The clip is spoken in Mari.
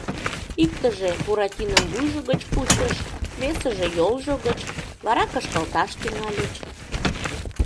Иктыже Буратином вуйжо гыч кучыш, весыже — йолжо гыч, вара кышкылташ тӱҥальыч.